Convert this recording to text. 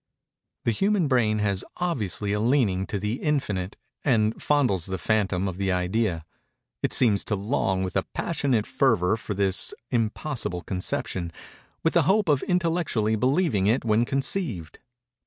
The human brain has obviously a leaning to the "Infinite," and fondles the phantom of the idea. It seems to long with a passionate fervor for this impossible conception, with the hope of intellectually believing it when conceived.